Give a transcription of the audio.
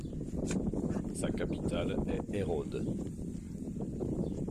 Sa capitale est Erode.